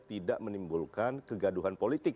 tidak menimbulkan kegaduhan politik